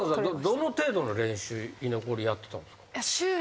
どの程度の練習居残りやってたんですか？